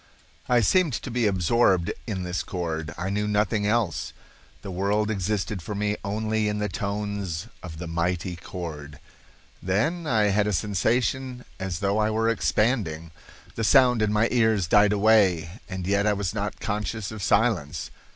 I seemed to be absorbed in this chord. I knew nothing else. The world existed for me only in the tones of the mighty chord. Then I had a sensation as though I were expanding. The sound in my ears died away, and yet I was not conscious of silence.